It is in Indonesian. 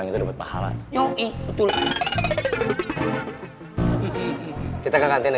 membuat nama universitas cinta nusantara